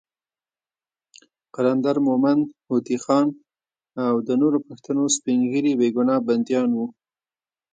قلندر مومند، هوتي خان، او د نورو پښتنو سپین ږیري بېګناه بندیان وو.